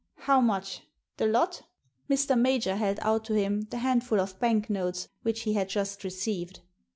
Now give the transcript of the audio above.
How much? The lot?" Mr. Major held out to him the handful of bank notes which he had just received.